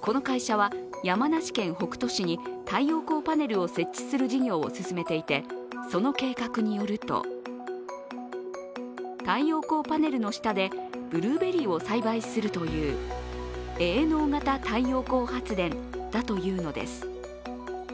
この会社は、山梨県北斗市に太陽光パネルを設置する事業を進めていてその計画によると、太陽光パネルの下でブルーベリーを栽培するという営農型太陽光発電だというのです。